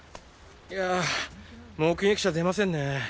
いや目撃者出ませんね。